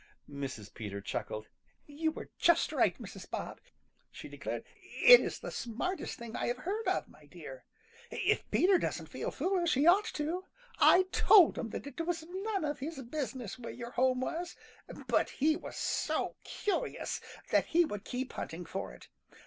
Mrs. Peter chuckled. "You were just right, Mrs. Bob," she declared. "It is the smartest thing I ever heard of, my dear. If Peter doesn't feel foolish, he ought to. I told him that it was none of his business where your home was, but he was so curious that he would keep hunting for it.